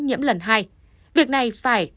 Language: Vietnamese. nhiễm lần hai việc này phải